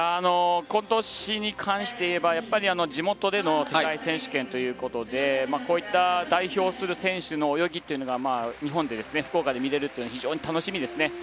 今年に関して言えば地元での世界選手権ということでこういった、代表する選手の泳ぎというのが日本で福岡で見れるのは非常に楽しみですね。